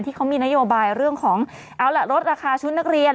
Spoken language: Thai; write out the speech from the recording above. ที่เขามีนโยบายเรื่องของเอาล่ะลดราคาชุดนักเรียน